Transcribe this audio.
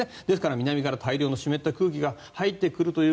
南から大量の湿った空気が入ってきます。